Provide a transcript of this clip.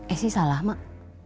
esy salah mak